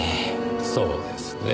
そうですねぇ。